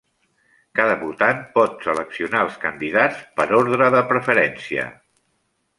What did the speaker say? Cada votant pot seleccionar els candidats per ordre de preferència.